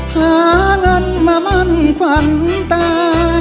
หาเงินมามั่นขวัญตา